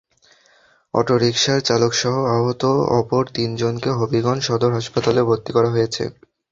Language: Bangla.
অটোরিকশার চালকসহ আহত অপর তিনজনকে হবিগঞ্জ সদর হাসপাতালে ভর্তি করা হয়েছে।